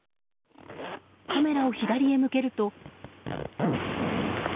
カメラを左へ向けると。